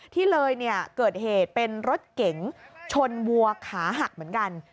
ที่เลยเนี่ยเกิดเหตุเป็นรถเก๋งชนวัวขาหักเหมือนกัน